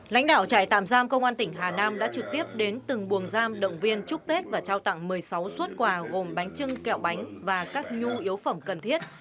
lãnh đạo trại tạm giam công an tỉnh hà nam đã trực tiếp đến từng buồng giam động viên chúc tết và trao tặng một mươi sáu xuất quà gồm bánh trưng kẹo bánh và các nhu yếu phẩm cần thiết